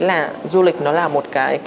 là du lịch nó là một cái